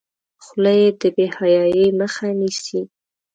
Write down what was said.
خولۍ د بې حیايۍ مخه نیسي.